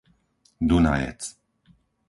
Dunajec